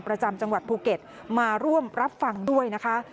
ประจำจังหวัดภูเก็ตมาร่วมรับฟังด้วยนะคะ